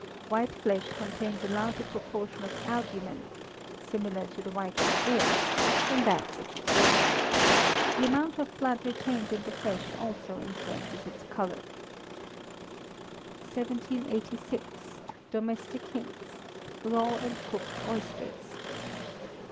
_ White flesh contains a larger proportion of albumen, (similar to the white of egg) than that which is red. The amount of blood retained in the flesh also influences its colour. 1786. Domestic Hints (Raw and Cooked Oysters).